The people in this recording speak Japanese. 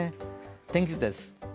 天気図です。